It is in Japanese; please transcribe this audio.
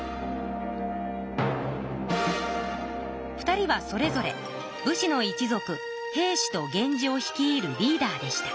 ２人はそれぞれ武士の一族平氏と源氏を率いるリーダーでした。